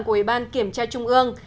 của ủy ban kiểm tra trung ương